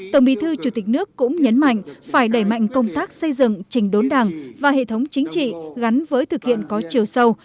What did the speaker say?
tổng bí thư chủ tịch nước cũng nhấn mạnh phải đẩy mạnh công tác xây dựng trình đốn đảng và hệ thống chính trị gắn với thực hiện có chiều sâu